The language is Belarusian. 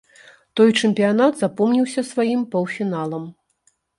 Той чэмпіянат запомніўся сваім паўфіналам.